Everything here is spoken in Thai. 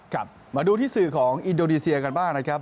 ครับมาดูที่สื่อของอินโดนีเซียกันบ้างนะครับ